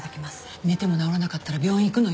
寝ても治らなかったら病院行くのよ。